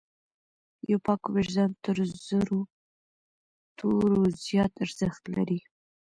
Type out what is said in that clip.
یو پاک وجدان تر زرو تورو زیات ارزښت لري.